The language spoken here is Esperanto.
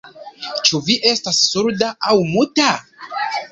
Ĉu vi estas surda aŭ muta?